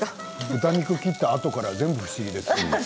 豚肉、切ったあとから全部、不思議です。